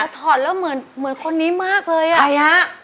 ถอดแล้วเหมือนคนนี้มากเลยอ่ะ